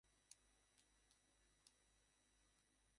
আমি প্রথম হইতে ধ্রুবকে মানুষ করিয়া গড়িয়া তুলিব।